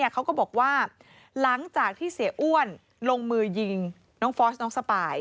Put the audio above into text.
เขาก็บอกว่าหลังจากที่เสียอ้วนลงมือยิงน้องฟอสน้องสปาย